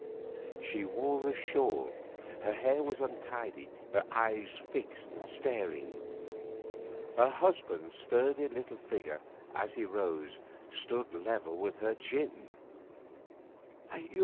She wore a shawl, her hair was untidy, her eyes fixed and staring. Her husband's sturdy little figure, as he rose, stood level with her chin.